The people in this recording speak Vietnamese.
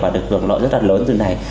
và được cường lộ rất là lớn từ này